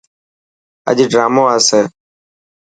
اڄ ڊرامو آسي.